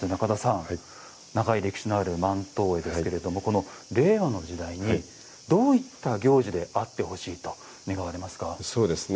長い歴史のある万灯会ですけども令和の時代にどういった行事であってほしいと願われますか？